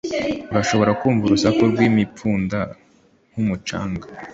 Urashobora kumva urusaku rw'imipfunda ku mucanga?